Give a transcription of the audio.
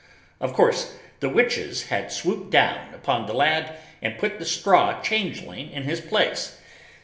Of course the witches had swooped down upon the lad and put the straw changeling in his place!